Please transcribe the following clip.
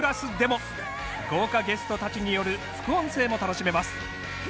豪華ゲストたちによる副音声も楽しめます。